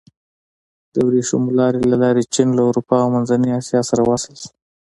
د ورېښمو لارې له لارې چین له اروپا او منځنۍ اسیا سره وصل شو.